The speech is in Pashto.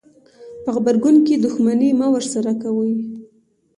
په غبرګون کې دښمني مه ورسره کوئ.